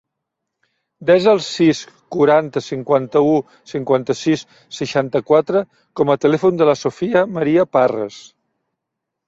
Desa el sis, quaranta, cinquanta-u, cinquanta-sis, seixanta-quatre com a telèfon de la Sofia maria Parres.